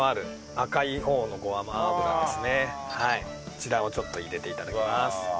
そちらをちょっと入れて頂きます。